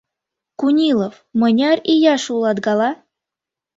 — Кунилов, мыняр ияш улат гала?